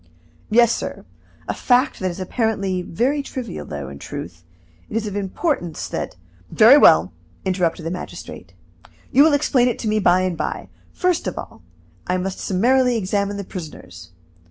"Yes, sir; a fact that is apparently very trivial, though, in truth, it is of importance that " "Very well!" interrupted the magistrate. "You will explain it to me by and by. First of all, I must summarily examine the prisoners.